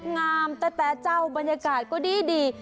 งามแต่เจ้าบรรยากาศก็ดี